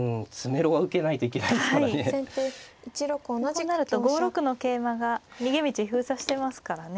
こうなると５六の桂馬が逃げ道封鎖してますからね。